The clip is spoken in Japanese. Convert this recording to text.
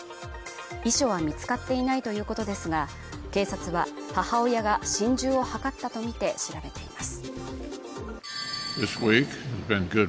遺書は見つかっていないということですが警察は母親が心中を図ったとみて調べています